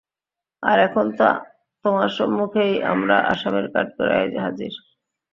আর এখন তো তোমার সম্মুখেই আমরা আসামীর কাঠগড়ায় হাযির।